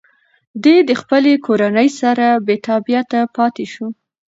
ده د خپلې کورنۍ سره بېتابعیت پاتې شو.